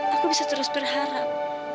aku bisa terus berharap